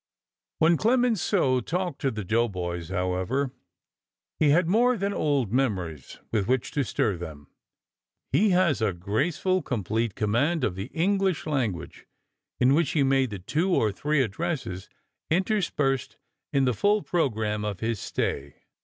When Clemenceau talked to the doughboys, however, he had more than old memories with which to stir them. He has a graceful, complete command of the English language, in which he made the two or three addresses interspersed in the full programme of his stay.